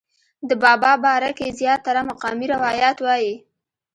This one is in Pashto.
د بابا باره کښې زيات تره مقامي روايات وائي